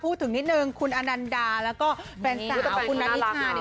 พูดถึงนิดหนึ่งคุณอนันดาแล้วก็แฟนสาวคุณนานิคา